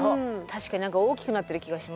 確かに何か大きくなってる気がします。